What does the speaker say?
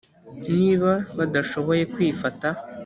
niba badashoboye kwifata